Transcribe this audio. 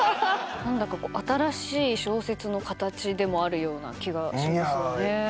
何だか新しい小説の形でもあるような気がしますよね。